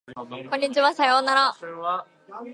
こんにちはさようなら